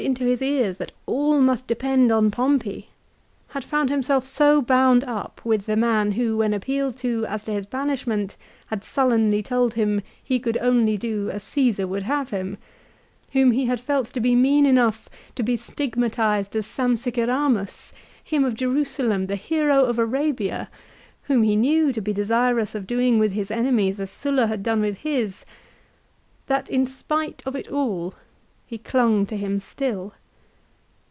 157 into his ears that all must depend on Pompey, had found himself so bound up with the man who when appealed to as to his banishment had sullenly told him he could only do as Csesar would have him, whom he had felt to be mean enough to be stigmatised as Sampsiceramus, him of Jerusalem, the hero of Arabia, whom he knew to be desirous of doing with his enemies as Sulla had done with his, that, in spite of it all, he clung to him still